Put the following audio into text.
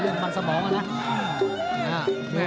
เริ่มกลักสมองนะ